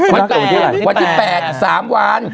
วันเกิดวันที่๘วันที่๘สามวัน